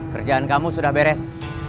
kerjaan kamu sudah beres